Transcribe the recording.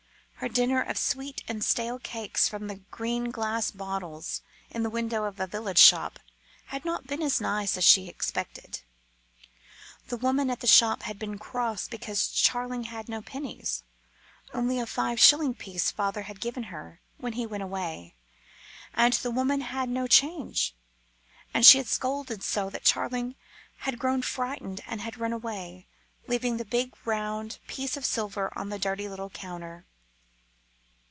Her dinner of sweets and stale cakes from the greeny glass bottles in the window of a village shop had not been so nice as she expected; the woman at the shop had been cross because Charling had no pennies, only the five shilling piece father had given her when he went away, and the woman had no change. And she had scolded so that Charling had grown frightened and had run away, leaving the big, round piece of silver on the dirty little counter.